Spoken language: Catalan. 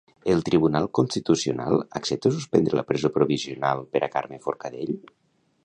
El Tribunal Constitucional accepta suspendre la presó provisional per a Carme Forcadell.